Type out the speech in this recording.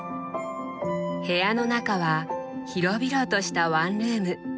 部屋の中は広々としたワンルーム。